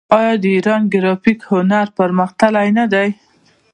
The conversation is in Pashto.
آیا د ایران ګرافیک هنر پرمختللی نه دی؟